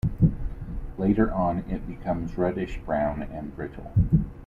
Later on it becomes reddish-brown and brittle.